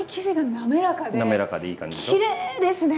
滑らかでいい感じでしょ。